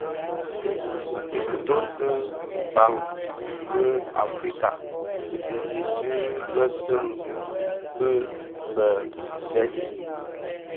Dhi kitoň ki bhan mu u Africa Bizizig bii dhi binèsun bii bi bès.